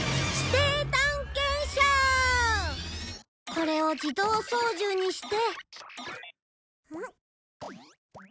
これを自動操縦にして。